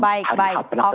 baik baik oke